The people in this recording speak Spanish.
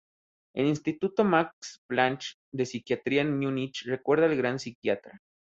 El Instituto Max Planck de psiquiatría en Múnich recuerda al gran psiquiatra.